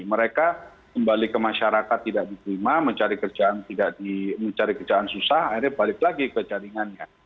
mereka kembali ke masyarakat tidak diklima mencari kerjaan susah akhirnya balik lagi ke jaringannya